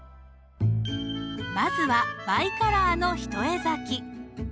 まずはバイカラーの一重咲き。